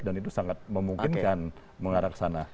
dan itu sangat memungkinkan mengarah ke sana